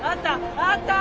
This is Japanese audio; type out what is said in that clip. あったー！